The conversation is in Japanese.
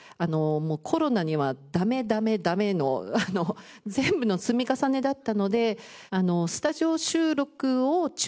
もうコロナにはダメダメダメの全部の積み重ねだったので。